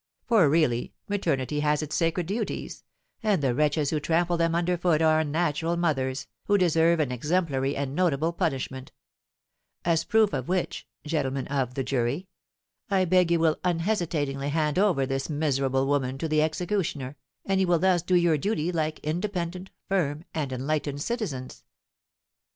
For, really, maternity has its sacred duties, and the wretches who trample them under foot are unnatural mothers, who deserve an exemplary and notable punishment; as a proof of which, gentlemen of the jury, I beg you will unhesitatingly hand over this miserable woman to the executioner, and you will thus do your duty like independent, firm, and enlightened citizens.